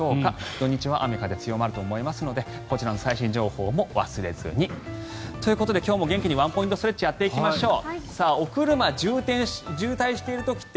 土日は雨風が強まると思いますのでこちらの最新情報も忘れずに。ということで今日も元気にワンポイントストレッチやっていきましょう。